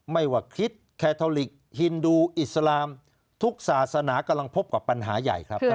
ไม่ว่าคริสต์แคทอลิกฮินดูอิสลามทุกศาสนากำลังพบกับปัญหาใหญ่ครับ